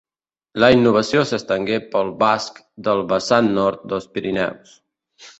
La innovació s'estengué pel basc del vessant nord dels Pirineus.